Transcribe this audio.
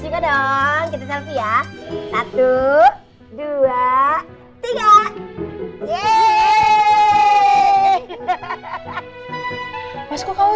kita selfie yah